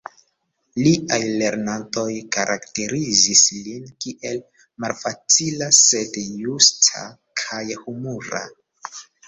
Liaj lernantoj karakterizis lin kiel "malfacila, sed justa kaj humura.